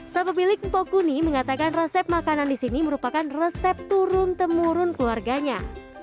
saya pemilik mpokuni mengatakan resep makanan di sini merupakan resep turun temurun keluarganya